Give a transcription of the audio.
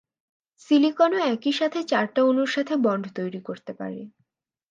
সিলিকনও একই সাথে চারটা অণুর সাথে বন্ড তৈরী করতে পারে।